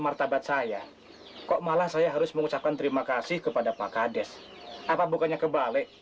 martabat saya kok malah saya harus mengucapkan terima kasih kepada pak kades apa bukannya kebalik